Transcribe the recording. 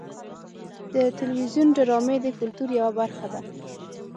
د تلویزیون ډرامې د کلتور یوه برخه ده.